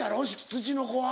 ツチノコは。